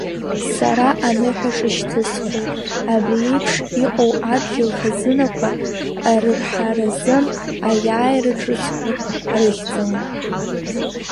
Сара аныҳәаҿа шьҭысхуеит, абри еиԥш иҟоу адгьыл хазынақәа рырҳаразы аиааира ҿыцқәа рыхьӡала!